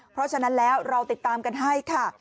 เพราะฉะนั้นแล้วเราติดตามกันให้ค่ะ